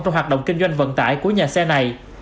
trong hoạt động kinh doanh vận tải của nhà xe này